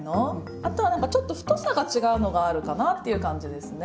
あとは何かちょっと太さが違うのがあるかなっていう感じですね。